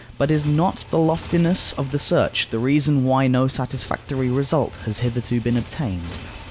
But is not the loftiness of the search the reason why no satisfactory result has hitherto been obtained?